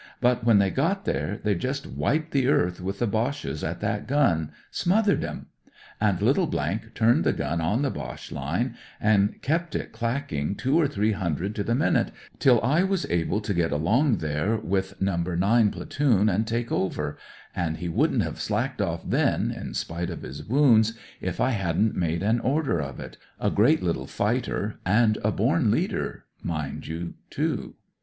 But when they got there they just wiped the earth with the Boches at that gun, smothered 'em ; and little turned the gun on the Boche line and kept it clacking two or three hundred to the minute till I was able to get along there with No. 9 m AUSTRALIAN AS A FIGHTER 141 platoon and take over; and he wouldn't have slacked off then, in spite of his wounds, if I hadn't made an order of it — a great little fighter and a bom leader, mind you, too.